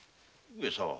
上様。